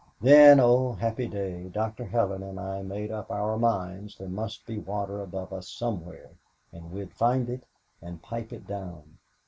Then, oh, Happy Day, Dr. Helen and I made up our minds there must be water above us somewhere and we'd find it and pipe it down.